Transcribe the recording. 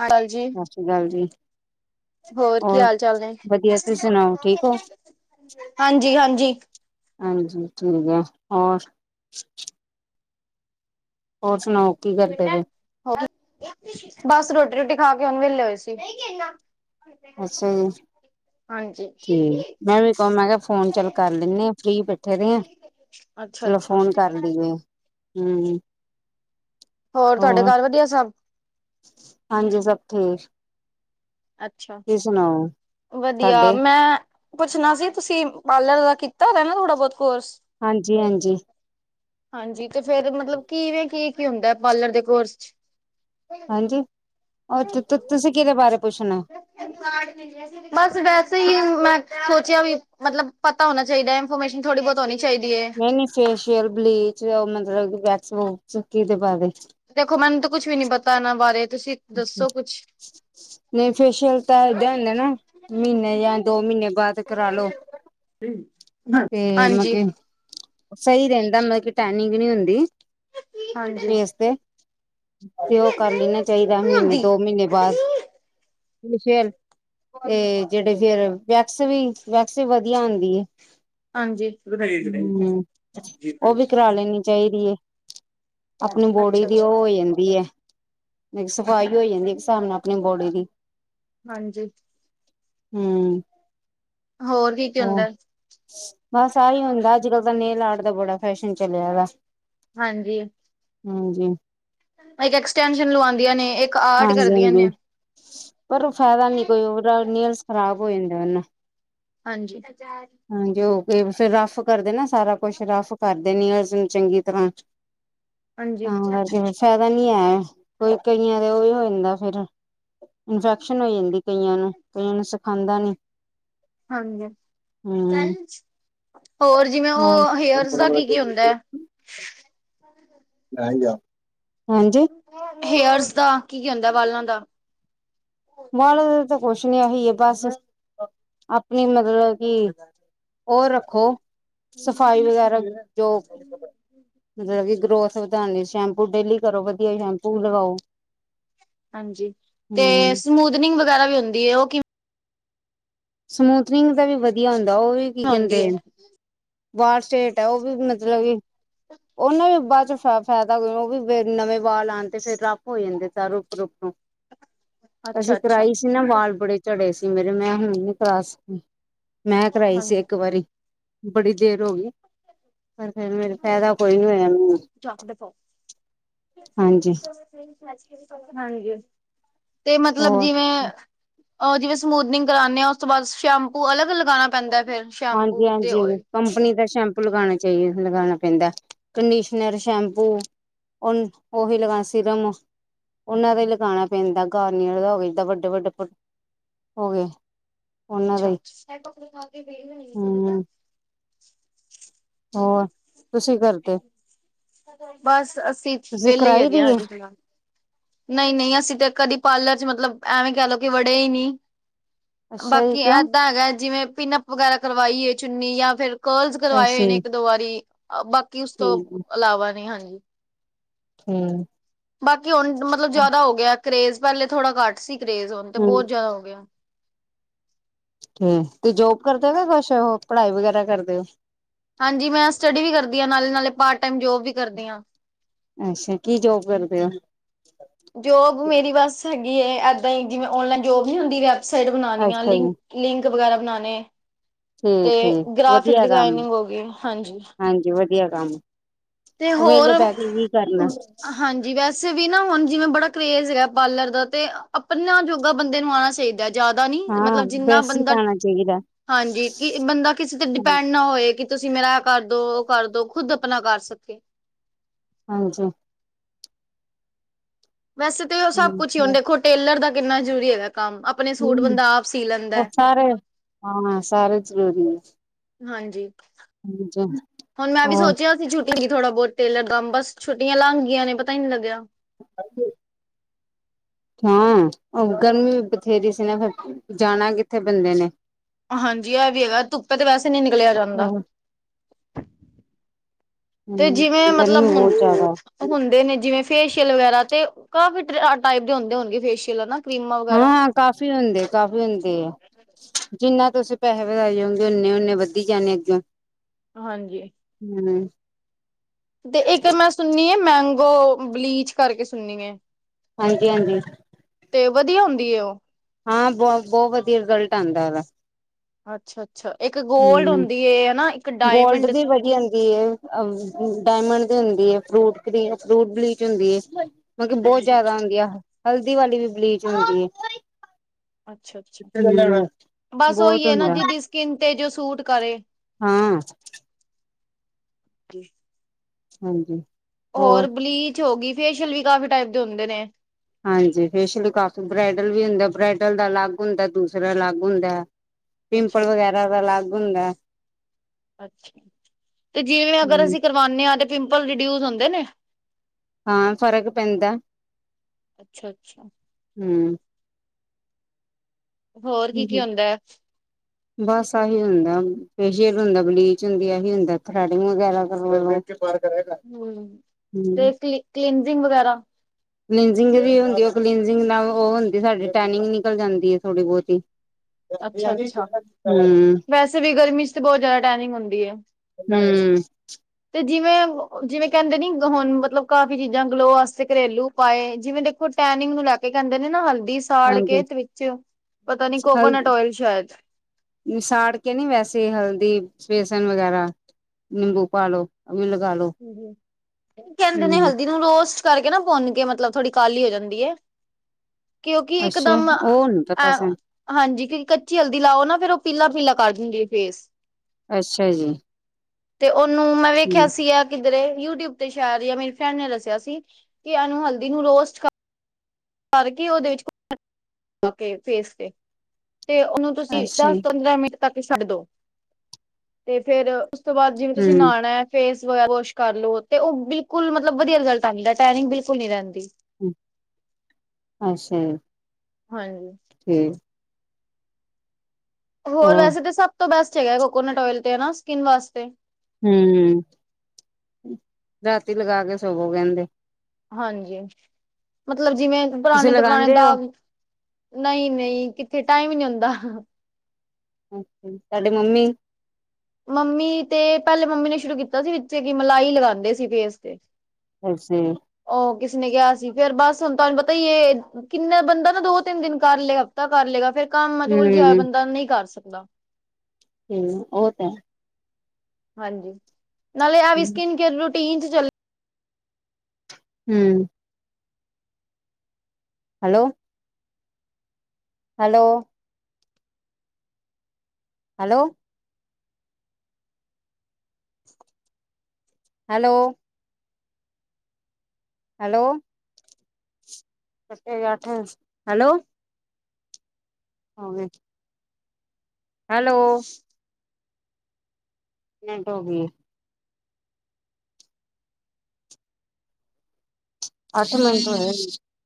ਹਾਲ ਜੀ ਸਤਿ ਸ਼੍ਰੀ ਅਕਾਲ ਜੀ ਹੋਰ ਕੀ ਹਾਲ ਚਾਲ ਨੇ ਵਧੀਆ ਤੁਸੀਂ ਸੁਣਾਓ ਠੀਕ ਹੋ ਹਾਂਜੀ ਹਾਂਜੀ ਹਾਂਜੀ ਠੀਕ ਹੈ ਹੋਰ ਹੋਰ ਸੁਣਾਓ ਕੀ ਕਰਦੇ ਜੇ ਬਸ ਰੋਟੀ ਰੋਟੀ ਖਾ ਕੇ ਹਣ ਵਹਲੇ ਹੋਏ ਸੀ ਅੱਛਾ ਜੀ ਹਾਂਜੀ ਠੀਕ ਮੈਂ ਵੀ ਕਾਹ ਮੈਂ ਕਿਹਾ ਫੋਨ ਚੱਲ ਕਰ ਲੈਨਾ ਆ ਫ੍ਰਰੀ ਬੈਠੇ ਦੇ ਆਂ ਅੱਛਾ ਚਲੋ ਅੱਛਾ ਫੋਨ ਕਰ ਲਈਏ ਹਮ ਹੋਰ ਤੁਹਾਡੇ ਘਰ ਵਧੀਆ ਸਭ ਹਾਂਜੀ ਸਭ ਠੀਕ ਅੱਛਾ ਤੁਸੀਂ ਸੁਣਾਓ ਵਧੀਆ ਤੁਹਾਡੇ ਮੈਂ ਪੁੱਛਣਾ ਸੀ ਤੁਸੀਂ ਪਾਰਲਰ ਦਾ ਕੀਤਾ ਰ ਨਾ ਥੋੜਾ ਬਹੁਤ ਕੋਰਸ ਹਾਂਜੀ ਹਾਂਜੀ ਹਾਂਜੀ ਤੇ ਫੇਰ ਮਤਲਬ ਕਿਵੇਂ ਕੀ ਕੀ ਹੁੰਦਾ ਪਾਰਲਰ ਦੇ ਕੋਰਸ ਚ ਹਾਂਜੀ ਤੂੰ ਤੂੰ ਤੁਸੀਂ ਕਿਹਦੇ ਬਾਰੇ ਪੁੱਛਣਾ [unintelligible] ਬਸ ਵੈਸੇ ਹੀ, ਮੈਂ ਸੋਚਿਆ ਵੀ ਮਤਲਬ ਪਤਾ ਹੋਣਾ ਚਾਹੀਦਾ ਇਨਫੋਰਮੇਸ਼ਨ ਥੋੜ੍ਹੀ ਬਹੁਤ ਹੋਣੀ। ਚਾਹੀਦੀ ਹੈ। ਨਹੀਂ ਨਹੀਂ ਫੇਸ਼ੀਅਲ, ਬਲੀਚ ਉਹ ਮਤਲਬ ਵੈਕਸ ਵੁਕਸ ਕਿਦੇ ਬਾਰੇ। ਦੇਖੋ ਮੈਨੂੰ ਤਾਂ ਕੁਛ ਵੀ ਨੀ ਪਤਾ, ਇਹਨਾਂ ਬਾਰੇ ਤੁਸੀਂ ਦੱਸੋ ਕੁਛ? ਨਹੀਂ, ਫੇਸ਼ੀਅਲ ਤਾਂ ਏਦਾਂ ਹੁੰਦੇ ਨਾ? ਮਹੀਨੇ ਜਾਂ ਦੋ ਮਹੀਨੇ ਬਾਅਦ ਕਰਾਲੋ। ਹਾਂਜੀ, ਸਹੀ ਰਹਿੰਦਾ ਮਤਲਬ ਕਿ ਟੈਨਿੰਗ ਨਹੀਂ ਹੁੰਦੀ। ਹਾਂਜੀ ਫੇਸ ਤੇ, ਤੇ ਉਹ ਕਰ ਲੈਣਾ। ਚਾਹੀਦਾ ਮਹੀਨੇ ਆਂਦੀ ਦੋ ਮਹੀਨੇ ਬਾਅਦ ਫਿਰ ਤੇ, ਜਿਹੜੇ ਫੇਰ ਵੈਕਸ ਵੀ ਵੈਕਸ ਵੀ ਵਧੀਆ ਹੁੰਦੀ ਐ। ਹਾਂਜੀ ਹੂੰ, ਉਹ ਵੀ ਕਰਾ ਲੈਣੀ ਚਾਹੀਦੀ ਐ, ਆਪਣੀ ਬੋਡੀ ਅੱਛਾ ਦੀ ਅੱਛਾ ਉਹ ਹੋ ਜਾਂਦੀ ਐ। ਸਫਾਈ ਹੋ ਜਾਂਦੀ ਇੱਕ ਹਿਸਾਬ ਨਾਲ ਆਪਣੀ ਬੋਡੀ ਦੀ। ਹਾਂਜੀ। ਹਮ ਹੋਰ ਕੀ ਕੀ ਹਾਂ ਹੁੰਦਾ। ਬਸ ਆਹੀ ਹੁੰਦਾ, ਅੱਜ ਕਲ ਤਾਂ ਨੇਲ ਆਰਟ ਦਾ ਬੜਾ ਫੈਸ਼ਨ ਚਲਿਆ ਵਾ। ਹਾਂਜੀ। ਹਾਂਜੀ। ਕਈ ਐਕਸਟੈਨਸ਼ਨ ਲਵਾਂਦੇ ਨੇ। ਇੱਕ ਆਰਟ ਹਾਂਜੀ ਕਰਦੀਆਂ ਹਾਂਜੀ। ਨੇ ਪਰ ਫਾਇਦਾ ਨੀ ਕੋਈ, ਉਹਦਾ ਨੈਲਸ ਖ਼ਰਾਬ ਹੋ ਜਾਂਦੇ ਨੇ। ਹਾਂਜੀ। ਹਾਂਜੀ, ਉਹ ਕੇ ਫਿਰ ਰਫ ਕਰਦੇ ਨੇ, ਸਾਰਾ ਕੁਛ ਰਫ ਕਰਦੇ ਨੀ ਅਸੀਂ ਚੰਗੀ ਤਰ੍ਹਾਂ। ਤਾਂ ਕਰਕੇ ਫਿਰ ਫਾਇਦਾ ਨੀ ਆ ਕਈ ਕਈਆਂ ਦੇ ਉਹੀ ਹੋ ਜਾਂਦਾ ਫਿਰ। ਇਨਫੈਕਸ਼ਨ ਹੋ ਜਾਂਦੀ, ਕਈਆਂ ਨੂੰ ਕਈਆਂ ਨੂੰ ਸਿਖਾਉਂਦਾ ਨਹੀਂ। ਹਾਂਜੀ। ਹੂੰ [unintelligible] ਹੋਰ ਜਿਵੇਂ, ਉਹ ਹੇਅਰਸ ਦਾ ਕੀ ਕੀ ਹਾਂ ਹੁੰਦਾ? ਹਾਂਜੀ। ਹੇਅਰਸ ਦਾ, ਕੀ ਕੀ ਹੁੰਦਾ ਬਾਲਾਂ ਦਾ। ਬਾਲਾ ਦਾ ਤਾ ਕੁੱਛ ਨੀ ਇਹੀ ਆ ਬਸ ਆਪਣੀ ਮਤਲਬ ਕੀ, ਓ ਰੱਖੋ ਸਫ਼ਾਈ ਵਗੈਰਾ ਜੋ। ਮਤਲਬ ਕਿ ਗਰੋਥ ਵਧਾਣ ਲਈ, ਸ਼ੈਂਪੂ ਡੇਲੀ ਕਰੋ ਵਧੀਆ ਸ਼ੈਂਪੂ ਲਗਾਓ। ਹਾਂਜੀ, ਤੇ ਹੂੰ ਸਮੂਦਨਿੰਗ ਵਗੈਰਾ ਵੀ ਹੁੰਦੀ ਐ? ਉਹ ਕਿਵੇਂ? ਸਮੂਥਨਿੰਗ ਦਾ ਵੀ ਵਧੀਆ ਹੁੰਦਾ। ਉਹ ਵੀ ਕੀ ਕਹਿੰਦੇ ਹੁੰਦੀ ਹੈ ਵਾਲ ਸਟੇਟ। ਉਹ ਵੀ ਮਤਲਬ ਕਿ ਉਹਨਾਂ ਵੀ ਬਾਅਦ ਚ ਫਾਇਦਾ ਕੋਈ ਨੀਂ, ਨਵੇਂ ਬਾਲ ਆਣ ਤੇ ਫਿਰ ਰਫ ਹੋ ਜਾਂਦੇ ਨੇ ਸਾਰੇ ਤਰਫ ਤੋਂ। ਅੱਛਾ ਅਸੀਂ ਅੱਛਾ ਕਰਾਈ ਸੀ ਨਾ ਵਾਲ ਬੜੇ ਝੜੇ ਸੀ, ਮੇਰੇ ਮੈਂ ਹੁਣ ਨਹੀਂ ਕਰਾ ਸਕੀ। ਮੈਂ ਕਰਾਈ ਸੀ, ਹਾਂਜੀ ਇੱਕ ਵਾਰੀ ਬੜੀ ਦੇਰ ਹੋ ਗਈ। ਪਰ ਫੇਰ ਮੇਰੇ ਫਾਇਦਾ ਕੋਈ ਨੀ ਹੋਇਆ ਮੈਨੂੰ। ਹਾਂਜੀ ਹਾਂਜੀ। ਤੇ ਮਤਲਬ ਹੋਰ ਜਿਵੇਂ। ਉਹ ਜਿਵੇਂ ਸਮੂਦਨਿੰਗ ਕਰਾਂਦੇ ਆ, ਉਸ ਤੋਂ ਬਾਅਦ ਸ਼ੈਂਪੂ ਅਲੱਗ ਲਗਾਣਾ ਪੈਂਦਾ ਫਿਰ। ਸ਼ੈਂਪੂ ਹਾਂਜੀ ਤੇ ਹਾਂਜੀ। ਓਇਲ ਕੰਪਨੀ ਦਾ ਸ਼ੈਂਪੂ ਲਗਾਣਾ ਚਾਹੀਦਾ। ਲਗਾਉਣਾ ਪੈਂਦਾ ਕੰਡੀਸ਼ਨਰ ਸ਼ੈਂਪੂ। ਹੁਣ ਉਹੀ ਲਗਾਣਾ ਸੀਰਮ? ਉਹਨਾਂ ਦਾ ਹੀ ਲਗਾਣਾ ਪੈਂਦਾ ਗਾਰਨੀਅਰ ਦਾ ਹੋਵੇ ਏਦਾਂ ਵੱਡੇ ਵੱਡੇ ਹੋ ਗਏ। ਉਹਨਾਂ ਦਾ ਅੱਛਾ। ਹੀ ਹਮ ਹੋਰ ਤੁਸੀਂ ਕੀ ਕਰਦੇ? ਬਸ ਅਸੀਂ ਤੁਸੀਂ ਵੇਲੇ ਈ ਕਰਾਈ ਦੀ ਹੈਗੇ ਆ ਏ ਅਜ-ਕਲ। ਨਈ-ਨਈ ਅਸੀਂ ਤੇ ਕਦੀ ਪਾਲਰ ਚ ਮਤਲਬ ਐਵੇਂ ਕੈ ਲੋ ਕੀ ਵੜੇ ਈ ਨੀ। ਅੱਛਾ ਜੀ ਬਾਕੀ ਕਿਉਂ ਏਦਾਂ ਹੈਗਾ ਜੀਵੇਂ ਪੀਂਨਅਪ ਵਗੈਰਾ ਕਰਵਾਈ ਏ ਚੁੰਨੀ ਜਾਂ ਫੇਰ ਕਰਲਸ ਕਰਵਾਏ ਅੱਛਾ ਹੋਏ ਨੇ ਜੀ ਏਕ ਦੋ ਵਾਰੀ ਆ ਬਾਕੀ ਓਸ ਤੋਂ ਠੀਕ ਈਲਾਵਾ ਨੀ ਹਾਂਜੀ ਹੂੰ ਬਾਕੀ ਹੁਣ ਮਤਲਵ ਜਾਦਾ ਹੋ ਗੇਆ ਕਰੇਜ਼ ਪੈਲੇ ਥੋੜਾ ਘੱਟ ਸੀ ਕਰੇਜ਼ ਹੁਣ ਤੇ ਬੌ ਜਾਦਾ ਹੋ ਗੇਆ ਤੇ ਤੇ ਜੋਬ ਕਰਦੇ ਹੋ ਕੁਛ ਓ ਪੜ੍ਹਾਈ ਵਗੈਰਾ ਕਰਦੇ ਓ? ਹਾਂਜੀ ਮੈਂ ਸਟੱਡੀ ਵੀ ਕਰਦੀ ਆ ਨਾਲੇ-ਨਾਲੇ ਪਾਟ ਟੈਮ ਜੋਬ ਵੀ ਕਰਦੀ ਆਂ। ਅੱਛਾ, ਕੀ ਜੋਬ ਕਰਦੇ ਹੋ? ਜੋਬ ਮੇਰੀ ਬਸ ਹੈਗੀ ਏ, ਏਦਾਂ ਈ ਜਿਵੇਂ ਓਨਲਾਈਨ ਜੋਬ ਨੀ ਹੁੰਦੀ, ਵੈਬਸਾਈਟ ਬਣਾਉਣੀਆ ਅੱਛਾ ਜੀ ਲਿੰਕ ਲਿੰਕ ਵਗੈਰਾ ਬਨਾਨੇ ਠੀਕ-ਠੀਕ ਵਧੀਆ ਕਾਮ ਏ, ਡਿਜ਼ਾਇਨਿੰਗ ਹੋ ਗਈ ਹਾਂਜੀ ਹਾਂਜੀ ਵਧੀਆ ਕੰਮ। ਤੇ ਵੇਲੇ ਬੈ ਕੇ ਕੀ ਕਰਨਾ ਐ? ਜੀ ਵੈਸੇ ਵੀ ਨਾ ਹੁਣ ਜਿਵੇਂ ਬੜਾ ਕਰੇਜ ਹੈਗਾ ਪਾਰਲਰ ਦਾ, ਤੇ ਅਪਣਾ ਜੋਗਾ ਬੰਦੇ ਨੂੰ ਆਣਾ ਚਾਹੀਦਾ। ਜਾਦਾ ਨੀ ਹਾਂ ਮਤਲਬ ਜਿੰਨਾ ਬੈਸ ਹੀ ਬੰਦਾ, ਪਾਉਣਾ ਚਾਹੀਦਾ ਹਾਂਜੀ ਕਿ ਬੰਦਾ ਕਿਸੇ ਤੇ ਡਿਪੈਂਡ ਨਾ ਹੋਏ ਕਿ ਤੁਸੀਂ ਮੇਰਾ ਏਹ ਕਰਦੋ, ਉਹ ਕਰਦੋ, ਖੁੱਦ ਅਪਣਾ ਕਰ ਸਕੇ। ਹਾਂਜੀ। ਵੈਸੇ ਤੇ ਉਹ ਸਭ ਕੁਛ ਹੀ, ਹੁਣ ਹਮ ਦੇਖੋ ਟੇਲਰ ਦਾ ਕਿੰਨਾ ਜ਼ਰੂਰੀ ਹੈਗਾ ਕੰਮ, ਅਪਣੇ ਸੂਟ ਬੰਦਾ ਆਪ ਸੀ ਲੈਂਦਾ ਉਹ ਏ। ਸਾਰੇ ਹਾਂ ਸਾਰੇ। [unintelligible] ਹਾਂਜੀ, ਹਾਂਜੀ ਹੁਣ ਮੈਂ ਵੀ ਹੋਰ ਸੋਚਿਆ ਛੁਟੀ ਈ ਥੋੜਾ ਬੌਤ ਟੇਲਰ ਦਾ ਬਸ, ਛੁੱਟੀਆਂ ਲੰਘ ਗੀਆਂ ਨੇ ਪਤਾ ਈ ਨੀ ਲੱਗਿਆ। [unintelligible] ਹਾਂ ਅ ਗਮ ਬਥੇਰੀ ਸੀ ਨਾ ਫੇਰ, ਜਾਣਾ ਕਿੱਥੇ ਬੰਦੇ ਨੇ? ਹਾਂਜੀ ਏਹ ਵੀ ਹੈਗਾ ਏ, ਧੁੱਪੇ ਤੇ ਵੈਸੇ ਨੀ ਨਿਕਲਿਆ ਹਾਂ ਜਾਂਦਾ। ਤੇ ਹਮ ਜਿਵੇਂ ਗਰਮੀ ਮਤਲਬ ਹੁਣ ਬਹੁਤ ਜ਼ਿਆਦਾ ਹੁੰਦੇ ਨੇ ਜਿਵੇਂ ਫੇਸ਼ੀਅਲ ਵਗੈਰਾ ਤੇ ਕਾਫੀ ਅ ਟਾਈਪ ਦੇ ਹੁੰਦੇ ਹੋਨਗੇ ਫੇਸ਼ੀਅਲ ਹਨਾ। ਕਰੀਮਾਂ ਵਗੈਰਾ। ਕਾਫੀ ਹੁੰਦੇ, ਕਾਫੀ ਹੁੰਦੇ ਐ। ਜਿੰਨਾ ਤੁਸੀਂ ਪੈਸੇ ਵਧਾਈਯੋਗੇ ਓਨੇ-ਓਨੇ ਵਧੀ ਜਾਣੇ ਅੱਗੇਓ। ਹਾਂਜੀ। ਹੂੰ। ਤੇ ਇੱਕ ਮੈਂ ਸੁਣੀ ਏ ਮੈਂਗੋ ਬਲੀਚ ਕਰਕੇ ਸੁਣੀ ਏ। ਹਾਂਜੀ-ਹਾਂਜੀ। ਤੇ ਵਧੀਆ ਹੁੰਦੀ ਏ ਓ? ਹਾਂ ਬੋਤ, ਬੋਤ ਵਧੀਆ ਰਿਜ਼ਲਟ ਆਂਦਾ ਏਦਾ। ਅੱਛਾ-ਅੱਛਾ, ਇੱਕ ਗੋਲਡ ਹਮ ਹੁੰਦੀ ਏ ਹਨਾ? ਇੱਕ ਗੋਲਡ ਡਾਇਮੰਡ ਦੀ ਆਂਦੀ ਏ, ਅਮ ਡਾਇਮੰਡ ਦੀ ਹੁੰਦੀ ਏ ਫਰੂਟ ਕਰੀਮ, ਫਰੂਟ ਬਲੀਚ ਹੁੰਦੀ ਏ। ਮਤਲਬ ਬਹੋਤ ਅੱਛਾ ਜਿਆਦਾ ਅੱਛਾ ਹੁੰਦੀਆ, ਹਲਦੀ ਵਾਲੀ ਵੀ ਬਲੀਚ ਹੁੰਦੀ ਏ। ਅੱਛਾ-ਅੱਛਾ ਬਸ ਬਹੁਤ ਉਹੀ ਹੈ ਨਾ ਹੁੰਦਾ ਜੀ ਡਿਸ ਕਿਨ ਤੇ ਜੋ ਸੂਟ ਕਰੇ। ਹਾਂ ਹਾਂਜੀ। ਹੋਰ ਬਲੀਚ ਹੋ ਗਈ, ਫੇਸ਼ੀਅਲ ਵੀ ਕਾਫ਼ੀ ਟਾਏਪ ਦੇ ਹੁੰਦੇ ਨੇ। ਹਾਂਜੀ ਫੇਸ਼ਅਲ ਵੀ ਕਾਫੀ, ਬ੍ਰਈਡਲ ਵੀ ਹੁੰਦਾ, ਬ੍ਰਾਇਡਲ ਦਾ ਅਲੱਗ ਹੁੰਦਾ, ਦੂਸਰਾ ਅਲੱਗ ਹੁੰਦਾ ਐ। ਅੱਛਾ ਪਿੰਪਲ ਅੱਛਾ ਵਗੈਰਾ ਦਾ ਲਾਗ ਹੁੰਦਾ ਏ। ਅਛਾ ਤੇ ਜਿਵੇਂ ਅਗਰ ਅਸੀਂ ਕਰਵਾਨੇ ਆਂ ਤੇ ਪਿੰਪਲ ਰਿਡਿਊਸ ਹੁੰਦੇ ਨੇ? ਹਾਂ ਫ਼ਰਕ ਪੈਂਦਾ, ਅੱਛਾ ਅੱਛਾ ਹੂੰ। ਹੋਰ ਕੀ ਕੀ ਹੂੰ-ਹੂੰ। ਹੁੰਦਾ ਹੈ? ਬਸ ਆਹੀ ਹੁੰਦਾ, ਫੇਸ਼ੀਅਲ ਹੁੰਦਾ, ਬਲੀਚ ਹੁੰਦੀ, ਆਹੀ ਹੁੰਦਾ ਥਰੈਡਿੰਗ ਵਗੈਰਾ ਕਰਵਾ [unintelligible] ਤੇ ਪਾਠ ਕਰਿਆ ਕਰ। ਹੂੰ ਤੇ ਕਲੀ-ਕਲੀਨਜਿੰਗ ਵਗੈਰਾ। ਕਲੀਜਿੰਗ ਵੀ ਹੁੰਦੀ, ਉਹ ਕਲੀਨਜਿੰਗ ਨਾਲ ਉਹ ਹੁੰਦੀ, ਸਾਡੀ ਟੈਨਿੰਗ ਨਿਕਲ ਜਾਂਦੀ ਹੈ ਥੋੜੀ ਬਹੁਤੀ। ਅੱਛਾ ਅੱਛਾ [unintelligible] ਹੂੰ ਵੈਸੇ ਵੀ ਗਰਮੀ ਚ ਬਹੁਤ ਜਿਆਦਾ ਟੈਨਿੰਗ ਹੁੰਦੀ ਐ। ਹੂੰ, ਤੇ ਜਿਵੇਂ, ਜਿਵੇਂ ਕਹਿੰਦੇ ਨੀ ਹੁਣ ਮਤਲਬ ਕਾਫੀ ਚੀਜ਼ਾਂ ਗਲੋ ਵਾਸਤੇ ਘਰੇਲੂ। ਪਾਏ ਜਿਵੇਂ ਦੇਖੋ, ਟੈਨਿੰਗ ਨੂੰ ਲੈ ਕੇ ਕਹਿੰਦੇ ਨੇ ਨਾ ਹਲਦੀ ਸਾੜ ਕੇ ਤੇ ਵਿੱਚ ਪਤਾ ਨੀ ਕੋਕੋਨਟ ਓਇਲ ਸ਼ਾਇਦ। ਓਨੁ ਸਾੜ ਕੇ ਨੀ, ਵੈਸੇ ਹਲਦੀ, ਬੇਸਨ ਵਗੈਰਾ। ਨਿੰਬੂ ਪਾਲੋ, ਔਵੀਂ ਲਗਾ ਲੋ। ਕਹਿੰਦੇ ਨੇ ਹੂੰ। ਹਲਦੀ ਨੂੰ ਰੋਸਟ ਕਰਕੇ ਨਾ, ਭੁੰਨ ਕੇ ਮਤਲਬ ਥੋੜ੍ਹੀ ਕਾਲੀ ਹੋ ਜਾਂਦੀ ਹੈ। ਕਿਉਂਕਿ ਅੱਛਾ ਇੱਕਦਮ ਉਹ ਨੀ ਪਤਾ ਅ ਸਾਨੂੰ ਹਾਂਜੀ ਕਿਉਂਕਿ ਕੱਚੀ ਹਲਦੀ ਲਾਓ ਨਾ, ਫਿਰ ਉਹ ਪੀਲਾ- ਪੀਲਾ ਕਰ ਦੇੰਦੀ ਐ ਫੇਸ। ਅੱਛਾ ਜੀ। ਤੇ, ਉਹਨੂੰ ਮੈਂ ਵੇਖਿਆ ਹੂੰ ਸੀ ਅ ਕਿਧਰੇ ਯੂਟੀਊਬ ਤੇ ਸ਼ਾਇਦ ਯਾ ਮੇਰੇ ਫਰੈਂਡ ਨੇ ਦੱਸਿਆ ਸੀ ਕਿ, ਐਨੂ ਹਲਦੀ ਨੂੰ ਰੋਜ਼ ਅ ਭਰਕੇ ਉਹਦੇ ਵਿ ਫੇਸ ਤੇ, ਤੇ ਉਹਨੂੰ ਤੁਸੀਂ ਅੱਛਾ ਜੀ ਦਸ-ਪੰਦਰਾਂ ਮਿੰ ਤੱਕ ਛੱਡ ਦੋ, ਤੇ ਫੇਰ ਉਸ ਤੋਂ ਬਾਅਦ ਜਿਵੇਂ ਤੁਸੀਂ ਹੂੰ ਨਾਣਾ ਐ। ਫੇਸ [unintelligible] ਵਾੱਸ਼ ਕਰ ਲੋ, ਤੇ ਉਹ ਬਿਲਕੁਲ ਮਤਲਬ ਵਧੀਆ ਰਿਜ਼ਲਟ ਆਂਦਾ ਏ, ਟੈਨਿੰਗ ਬਿਲਕੁਲ ਨੀ ਰਹਿੰਦੀ। ਅੱਛਾ। ਹਾਂਜੀ। ਠੀਕ। ਹੋਰ ਵੈਸੇ ਤੇ ਸਭ ਤੋਂ ਬੈਸਟ ਹੈਗਾ, ਕੋਕੋਨਟ ਓਇਲ ਤੇ ਹੇਨਾ, ਸਕਿੰਨ ਵਾਸਤੇ। ਹੂੰ, ਰਾਤੀ ਲਗਾ ਕੇ ਸੋਵੋ ਕਹਿੰਦੇ। ਹਾਂਜੀ, ਮਤਲਬ ਜਿਵੇਂ ਤੁਸੀਂ ਪੁਰਾਣੇ ਤੋਂ ਪੁਰਾਣੇ ਲਗਾਉਂਦੇ ਹੋ ਦਾਗ ਨਹੀਂ-ਨਹੀਂ ਕਿੱਥੇ, ਟਾਈਮ ਹੀ ਨੀ ਹੁੰਂਦਾ। ਅੱਛਾ, ਤੂਹਾਡੇ ਮੰਮੀ? ਮੰਮੀ ਤੇ, ਪਹਿਲੇ ਮੰਮੀ ਨੇ ਸ਼ੁਰੂ ਕੀਤਾ ਸੀ, ਵਿੱਚ ਕਿ ਮਲਾਈ ਲਗਾਉਂਦੇ ਸੀ ਫੇਸ ਤੇ। ਅਸੀਂ। ਉਹ ਕਿਸੇ ਨੇ ਕਿਹਾ ਸੀ, ਫੇਰ ਬਸ ਹੁਣ ਤੁਹਾਨੂੰ ਪਤਾ ਹੀ ਇਹ। ਕਿੰਨਨਾ ਬੰਦਾ ਨਾ ਦੋ ਤਿੰਨ-ਦਿਨ ਕਰ ਲਏਗਾ, ਹਫ਼ਤਾ ਕਰ ਲਏਗਾ, ਫੇਰ ਕੰਮ ਚ ਜੀ, ਉਲਝਿਆ ਹੋਇਆ ਹੂੰ ਬੰਦਾ ਨਹੀਂ ਕਰ ਸਕਦਾ। ਹੂੰ, ਉਹ ਤੇ ਹਾਂਜੀ, ਨਾਲੇ ਆ ਹੈ। ਵੀ ਸਕਿਨ-ਕੇਅਰ ਰੂਟੀਨ ਚ ਚੱਲ ਹੂੰ, hello. Hello. Hello. Hello. Hello ਕਟੇ ਜਾ [unintelligible] ਹੈਲੋ। ਹੋ ਗਈ। ਹੈਲੋ। ਨੈਟ ਹੋ ਗਈ ਐ। ਅੱਠ ਮਿੰਟ ਹੋਏ ਆ